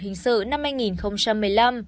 hình sự năm hai nghìn một mươi năm